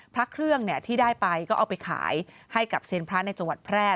พระเครื่องที่ได้ไปก็เอาไปขายให้กับเซียนพระในจังหวัดแพร่